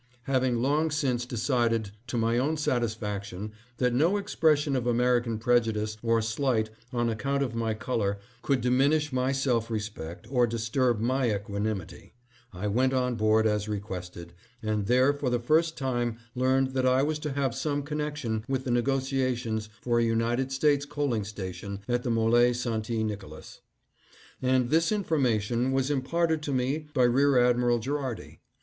Having long since decided to my own satisfaction that no expression of American prejudice or slight on account •of my color could diminish my self respect or disturb my equanimity, I went on board as requested, and there for the first time learned that I was to have some connec tion with negotiations for a United States coaling station at the MQle St. Nicolas ; and this information was im parted to me by Rear Admiral Gherardi.